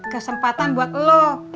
kesempatan buat lo